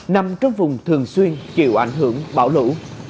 nằm trong vùng thường xuyên chịu ảnh hưởng bão lũ